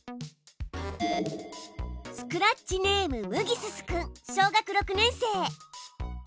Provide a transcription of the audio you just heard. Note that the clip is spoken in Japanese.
スクラッチネームＭＭＧＩＳＳ君小学６年生。